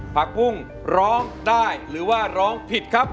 ผักปุ้งร้องได้หรือว่าร้องผิดครับ